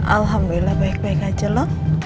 alhamdulillah baik baik aja lok